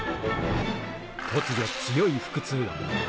突如、強い腹痛が。